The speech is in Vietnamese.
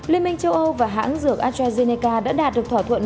liên minh châu âu và hãng dược astrazeneca đã đạt được thỏa thuận